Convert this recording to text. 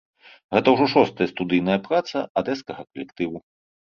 Гэта ўжо шостая студыйная праца адэскага калектыву.